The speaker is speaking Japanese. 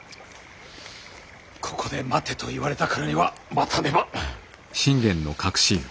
ここで待てと言われたからには待たねば。